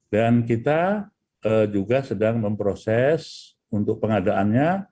dan kita juga sedang memproses untuk pengadaannya